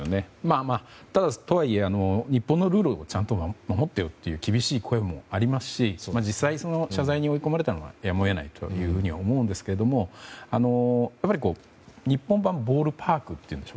ただ、とはいえ日本のルールをちゃんと守ってよという厳しい声もありますし実際に謝罪に追い込まれたのはやむを得ないというふうに思うんですけどもやっぱり日本版ボールパークというか。